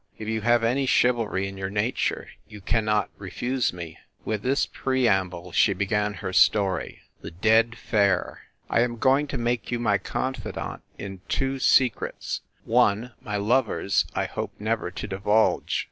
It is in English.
If you have any chivalry in your nature you can not refuse me." With this preamble she began her story. THE DEAD FARE I am going to make you my confidant in two se crets one, my lover s I hoped never to divulge.